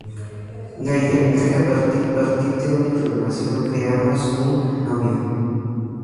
La idea es que a partir de una información, creamos un polinomio.